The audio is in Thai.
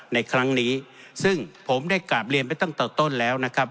ในครั้งนี้ซึ่งผมได้กราบเรียนไปตั้งแต่ต้นแล้วนะครับ